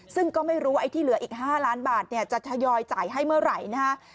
ซึ่งก็ไม่รู้ว่าไอ้ที่เหลืออีก๕ล้านบาทเนี่ยจะทยอยจ่ายให้เมื่อไหร่นะฮะ